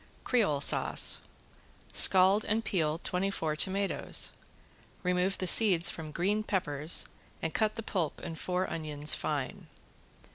~CREOLE SAUCE~ Scald and peel twenty four tomatoes. Remove the seeds from green peppers and cut the pulp and four onions fine.